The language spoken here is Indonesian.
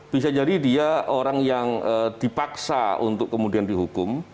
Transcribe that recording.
bisa jadi dia orang yang dipaksa untuk kemudian dihukum